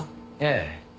ええ。